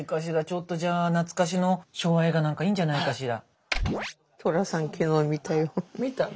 ちょっとじゃあ懐かしの昭和映画なんかいいんじゃないかしら。